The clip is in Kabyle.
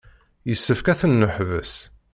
Yessefk ad ten-neḥbes.